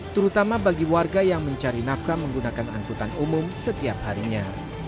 terutama bagi warga yang mencari nafkah menggunakan angkutan umum setiap harinya